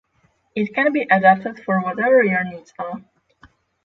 it can be adapted for whatever your needs are